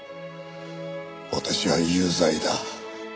私は有罪だ。